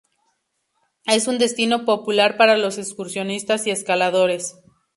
Es un destino popular para los excursionistas y escaladores.